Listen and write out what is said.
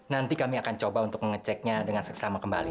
nanti kami akan coba untuk mengeceknya dengan seksama kembali